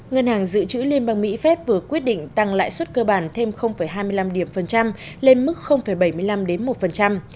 ngân hàng dự trữ liên bang mỹ phép vừa quyết định tăng lãi suất cơ bản thêm hai mươi năm điểm phần trăm lên mức bảy mươi năm một